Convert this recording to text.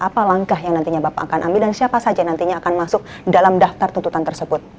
apa langkah yang nantinya bapak akan ambil dan siapa saja nantinya akan masuk dalam daftar tuntutan tersebut